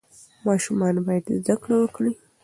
ماشومان باید زده کړه وکړي.